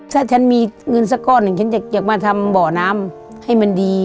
ถ้าฉันมีเงินสักก้อนหนึ่งฉันจะมาทำบ่อน้ำให้มันดี